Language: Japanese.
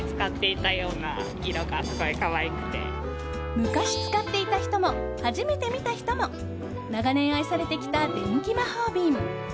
昔使っていた人も初めて見た人も長年愛されてきた電気まほうびん。